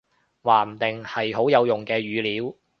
話唔定，係好有用嘅語料